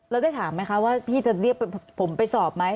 แล้วได้ถามไหมคะว่าพี่จะเรียกผมไปสอบไหม